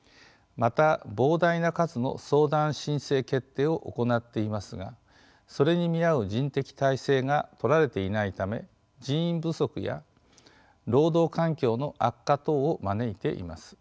また膨大な数の相談・申請・決定を行っていますがそれに見合う人的体制がとられていないため人員不足や労働環境の悪化等を招いています。